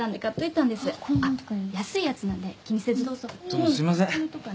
どうもすいません。